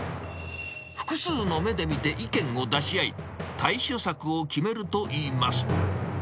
複数の目で見て意見を出し合い、対処策を決めるといいます。